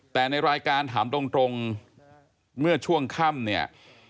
แต่ในรายการถามตรงเมื่อช่วงค่ำเนี่ย